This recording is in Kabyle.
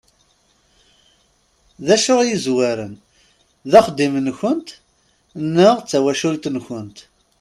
D acu i yezwaren, d axeddim-nkent neɣ d tawacult-nkent?